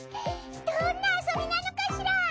どんな遊びなのかしら？